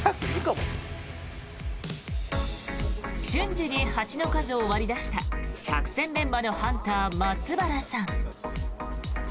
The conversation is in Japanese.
瞬時に蜂の数を割り出した百戦錬磨のハンター、松原さん。